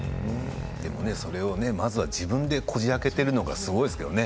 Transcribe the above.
それをご自分でこじ開けてるのがすごいですよね。